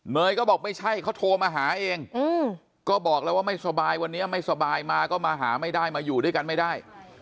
ยก็บอกไม่ใช่เขาโทรมาหาเองก็บอกแล้วว่าไม่สบายวันนี้ไม่สบายมาก็มาหาไม่ได้มาอยู่ด้วยกันไม่ได้